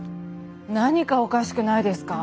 何かおかしくないですか？